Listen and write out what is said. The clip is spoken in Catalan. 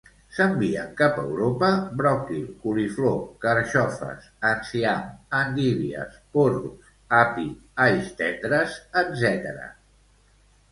S'envien cap a Europa bròquil, coliflor, carxofes, enciam, endívies, porros, api, alls tendres, etc.